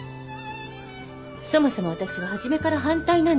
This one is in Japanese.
そもそも私は初めから反対なんです。